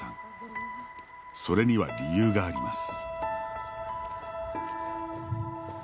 それには理由があります。